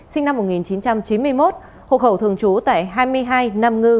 sinh năm một nghìn chín trăm chín mươi một hộ khẩu thường trú tại hai mươi hai nam ngư